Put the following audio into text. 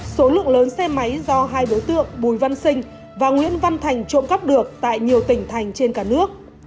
số lượng lớn xe máy do hai đối tượng bùi văn sinh và nguyễn văn thành trộm cắp được tại nhiều tỉnh thành trên cả nước